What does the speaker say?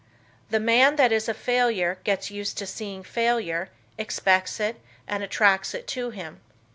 The man that is a failure gets used to seeing failure, expects it and attracts it to him.